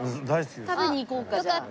食べに行こうかじゃあ。